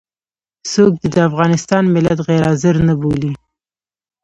څوک دې د افغانستان ملت غير حاضر نه بولي.